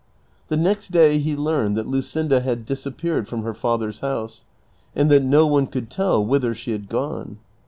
The next day he learned that Luscinda had disappeared from her father's house, and that no one could tell whither she had gone.